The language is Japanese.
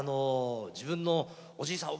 自分のおじいさん